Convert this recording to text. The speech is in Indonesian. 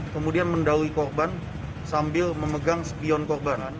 kemudian mendaui korban sambil memegang spion korban